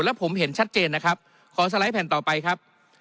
แล้วผมเห็นชัดเจนนะครับขอสไลด์แผ่นต่อไปครับ